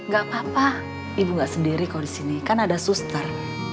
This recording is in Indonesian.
gak apa apa ibu gak sendiri kok disini kan ada suster